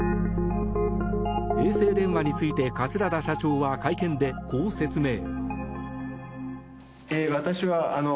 衛星電話について桂田社長は会見で、こう説明。